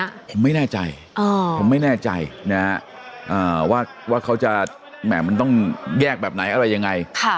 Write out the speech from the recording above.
ผมไม่แน่ใจผมไม่แน่ใจนะฮะว่าเขาจะแหม่มันต้องแยกแบบไหนอะไรยังไง